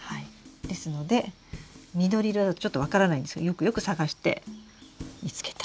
ですので緑色だとちょっと分からないんですけどよくよく探して見つけたらさよならしてください。